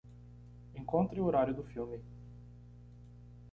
Encontre o horário do filme.